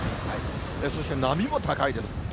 そして波も高いです。